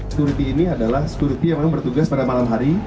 security ini adalah security yang memang bertugas pada malam hari